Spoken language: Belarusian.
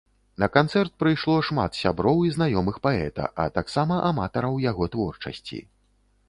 На канцэрт прыйшло шмат сяброў і знаёмых паэта, а таксама аматараў яго творчасці.